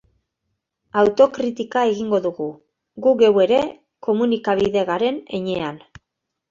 Autokritika egingo dugu, gu geu ere, komunikabide garen heinean.